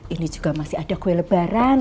ini juga masih ada kue lebaran